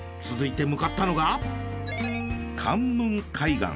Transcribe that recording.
続いて向かったのが。